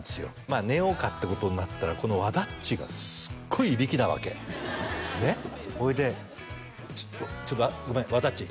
まあ寝ようかってことになったらこの和田っちがすっごいいびきなわけねっほいで「ちょっとごめん和田っち」